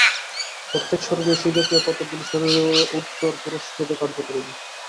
প্রত্যেক শরীরই সেই জাতীয় কতকগুলি শরীরের উত্তর-পুরুষরূপে কার্য করিবে।